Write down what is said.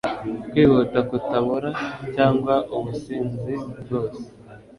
Kwihuta kutabora cyangwa ubusinzi bwose